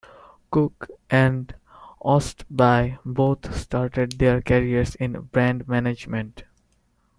Cook and Ostby both started their careers in brand management.